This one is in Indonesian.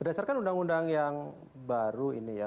berdasarkan undang undang yang baru ini ya